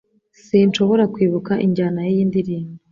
Sinshobora kwibuka injyana yiyi ndirimbo